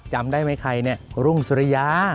จำได้ไหมใครเนี่ยรุ่งสุริยา